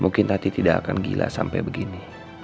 mungkin nanti tidak akan gila sampai begini